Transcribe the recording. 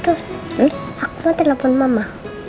cus aku mau telepon mama